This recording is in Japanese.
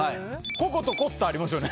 ココとコッタありますよね。